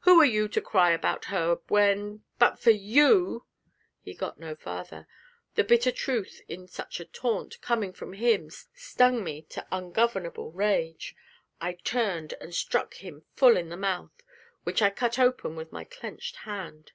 Who are you to cry about her, when but for you ' He got no farther; the bitter truth in such a taunt, coming from him, stung me to ungovernable rage. I turned and struck him full in the mouth, which I cut open with my clenched hand.